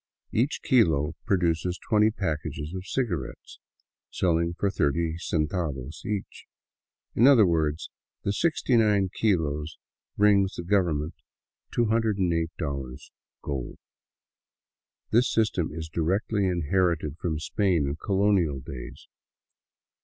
Each kilo produces twenty packages of cigarettes, selling for thirty centavos each ; in other words the 69 kilos bring the government $208 gold. This system is directly inherited from Spain and colonial days.